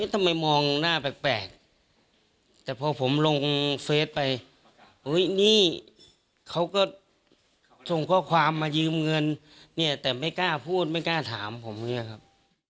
แต่ไม่กล้าพูดไม่กล้าถามผมเนี่ยครับ